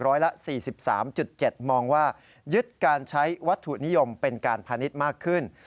ละ๔๓๗มองว่ายึดการใช้วัตถุนิยมเป็นการพาณิชย์มากขึ้น